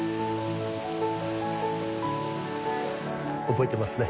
覚えてますね？